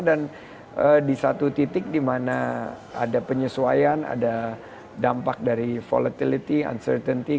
dan di satu titik di mana ada penyesuaian ada dampak dari volatility uncertainty